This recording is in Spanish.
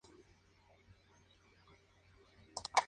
La producción se llevó a cabo en Sheena Island, hasta que fue destruida.